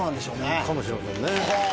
かもしれませんね。